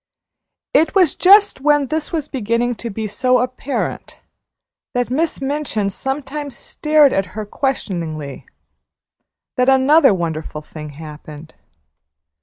It was just when this was beginning to be so apparent that Miss Minchin sometimes stared at her questioningly, that another wonderful thing happened.